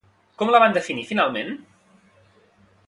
Com la van definir finalment?